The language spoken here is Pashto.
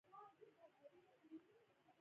ایا زه باید چیغې وکړم؟